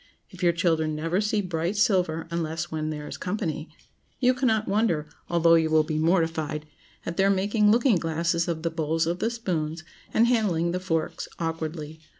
If your children never see bright silver unless when "there is company," you cannot wonder, although you will be mortified, at their making looking glasses of the bowls of the spoons, and handling the forks awkwardly.